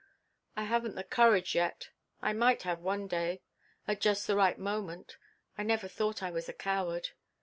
"I haven't the courage yet. I might have one day at just the right moment. I never thought I was a coward."